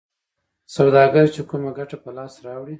سوداګر چې کومه ګټه په لاس راوړي